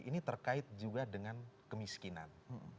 ini terkait juga dengan kemiskinan